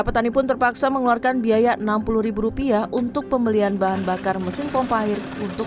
petani pun terpaksa mengeluarkan biaya enam puluh rupiah untuk pembelian bahan bakar mesin pompa air untuk